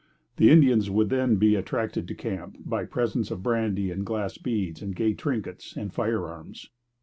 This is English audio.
The Indians would then be attracted to the camp by presents of brandy and glass beads and gay trinkets and firearms.